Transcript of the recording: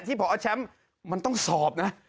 ผอแชมป์มันต้องสอบนะ